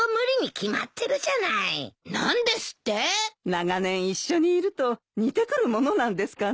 長年一緒にいると似てくるものなんですかね。